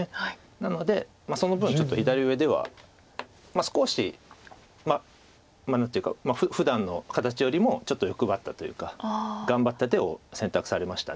なのでその分ちょっと左上では少し何ていうか。ふだんの形よりもちょっと欲張ったというか頑張った手を選択されました。